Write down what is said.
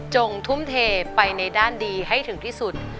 ทุ่มเทไปในด้านดีให้ถึงที่สุด